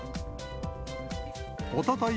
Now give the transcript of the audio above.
おととい